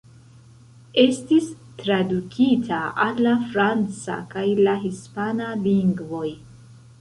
Estis tradukita al la franca kaj la hispana lingvoj.